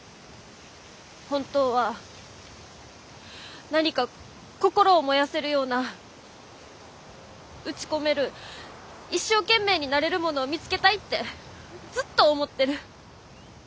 本当は何か心を燃やせるような打ち込める一生懸命になれるものを見つけたいってずっと思ってる。